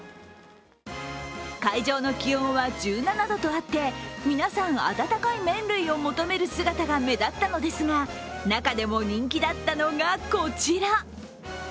会場の気温は１７度とあって皆さん温かい麺類を求める姿が目立ったのですが中でも人気だったのが、こちら。